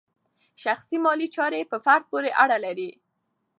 شخصي مالي چارې په فرد پورې اړه لري.